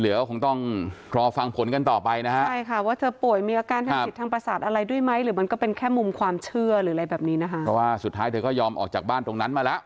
เราก็พยายามอธิบทามเขาว่าเขาทำอย่างไร